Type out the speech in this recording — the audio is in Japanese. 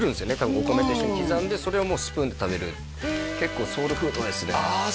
お米と一緒に刻んでそれをスプーンで食べる結構ソウルフードですねああ